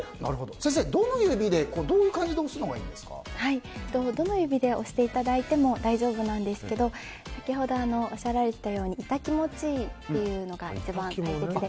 先生、どの指でどういう感じで押すのがどの指で押していただいても大丈夫なんですが先ほどおっしゃられていたように痛気持ちいいというのが一番大切で。